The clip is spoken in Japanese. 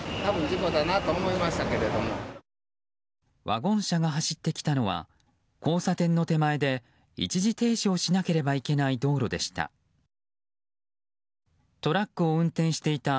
ワゴン車が走ってきたのは交差点の手前で一時停止をしなければいけない道路でした。